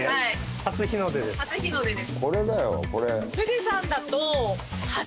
初日の出です。